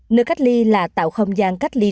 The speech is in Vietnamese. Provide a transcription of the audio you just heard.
nơi cách ly là tạm biệt